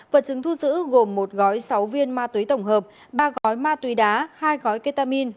vật chứng thu giữ gồm một gói sáu viên ma túy tổng hợp ba gói ma túy đá hai gói ketamin